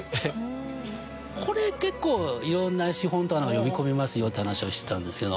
これ結構いろんな資本呼び込めますよって話をしてたんですけど。